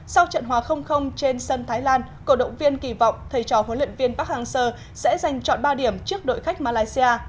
sau trận hòa trên sân thái lan cổ động viên kỳ vọng thầy trò huấn luyện viên park hang seo sẽ giành chọn ba điểm trước đội khách malaysia